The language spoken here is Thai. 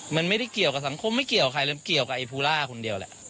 มันไม่ได้เกี่ยวกับสังคมไม่เกี่ยวกับใครเลยเกี่ยวกับไอ้ภูล่าคนเดียวแหละ